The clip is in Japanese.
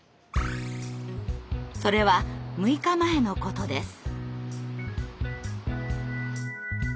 それは６日前のことです。